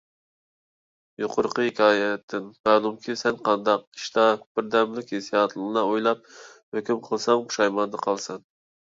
يۇقىرىقى ھېكايەتتىن مەلۇمكى، سەن ھەرقانداق ئىشتا بىردەملىك ھېسسىياتنىلا ئويلاپ، ھۆكۈم قىلساڭ پۇشايماندا قالىسەن.